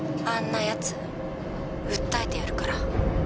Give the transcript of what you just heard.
あんな奴訴えてやるから」